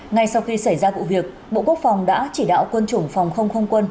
ngay sau khi xảy ra vụ việc bộ quốc phòng đã chỉ đạo quân chủng phòng không không quân